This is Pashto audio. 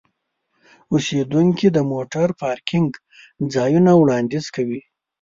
اوسیدونکي د موټر پارکینګ ځایونه وړاندیز کوي.